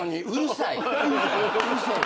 うるさい？